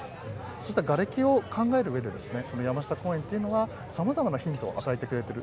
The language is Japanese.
そういったがれきを考えるうえで山下公園というのはさまざまなヒントを与えてくれている。